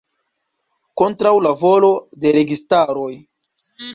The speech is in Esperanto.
Kontraŭ la volo de registaroj.